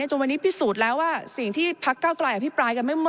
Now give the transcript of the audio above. จนวันนี้พิสูจน์แล้วว่าสิ่งที่พักเก้าไกรอภิปรายกันไม่หมด